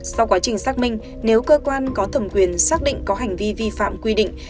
sau quá trình xác minh nếu cơ quan có thẩm quyền xác định có hành vi vi phạm quy định